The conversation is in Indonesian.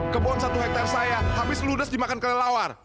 kebohongan satu hektare saya habis ludas dimakan kelelawar